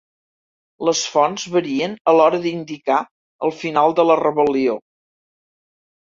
Les fonts varien a l'hora d'indicar el final de la rebel·lió.